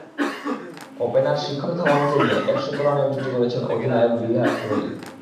Opener Shikhar ধাওয়ানকে নিয়ে একশত রানের জুটি গড়েছেন অধিনায়ক বিরাট কোহলি।